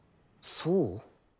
そう？